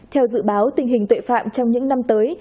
theo dự báo tình hình tội phạm trong những năm tới